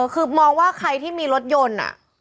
คือมองว่าใครที่มีรถยนต์